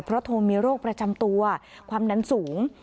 เพราะโทมีโรคประจำตัวความดันสูง